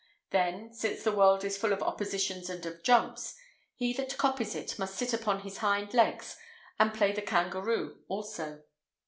Then, since the world is full of oppositions and of jumps, he that copies it must sit upon his hind legs and play the kangaroo also.